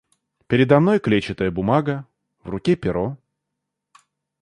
Передо мной клетчатая бумага, в руке перо.